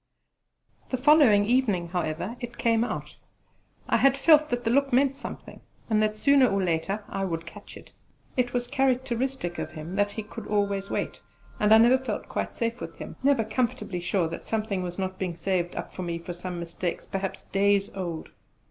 The following evening however it came out. I had felt that that look meant something, and that sooner or later I would catch it. It was characteristic of him that he could always wait, and I never felt quite safe with him never comfortably sure that something was not being saved up for me for some mistake perhaps days old.